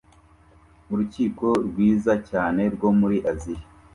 Urukiko rwiza cyane rwo muri Aziya!